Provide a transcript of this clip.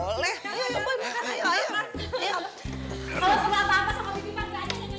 kalau perlu apa apa sama bibi pak beranjak aja